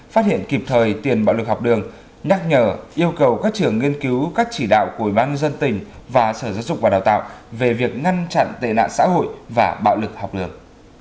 phát hiện kịp thời tiền bạo lực học đường nhắc nhở yêu cầu các trường nghiên cứu các chỉ đạo của ủy ban nhân dân tỉnh và sở giáo dục và đào tạo về việc ngăn chặn tệ nạn xã hội và bạo lực học đường